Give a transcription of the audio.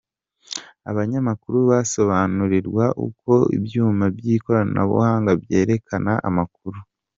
Abanyamakuru basobanurirwa uko ibyuma by’ikoranabuhanga byerekana amakuru.